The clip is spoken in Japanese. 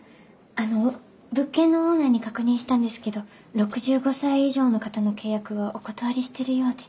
あの物件のオーナーに確認したんですけど６５歳以上の方の契約はお断りしているようで。